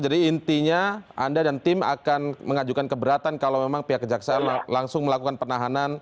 jadi intinya anda dan tim akan mengajukan keberatan kalau memang pihak kejaksaan langsung melakukan penahanan